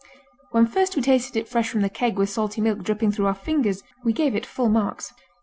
When first we tasted it fresh from the keg with salty milk dripping through our fingers, we gave it full marks.